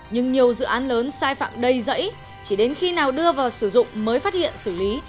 nhưng nhiều dự án lớn sai phạm đầy rẫy chỉ đến khi nào đưa vào sử dụng mới phát hiện xử lý